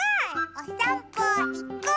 おさんぽいこう！